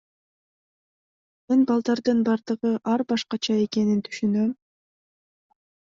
Мен балдардын бардыгы ар башкача экенин түшүнөм.